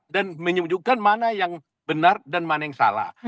dan menyebutkan mana yang benar dan mana yang salah